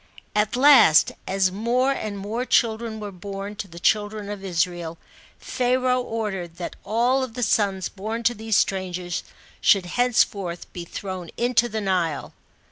At last, as more and more children were born 26 STORY OF MOSES. [B.C. 1571. to the children of ijrael, Pharaoh ordered that all the sorib born to these strangers, should hence forth be thrown into the Nile.